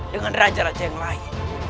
dengan raja raja yang lain